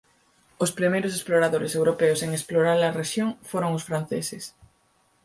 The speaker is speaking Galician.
Os primeiros exploradores europeos en explorar a rexión foron os franceses.